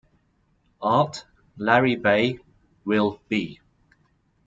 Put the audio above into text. Art: Larry Bay, Will B.